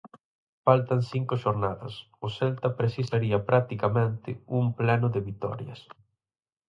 Faltan cinco xornadas, o Celta precisaría practicamente un pleno de vitorias.